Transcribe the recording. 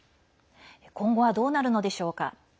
今後はどうなるのでしょうか。